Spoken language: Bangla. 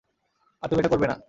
আর তুমি এটা করবে না।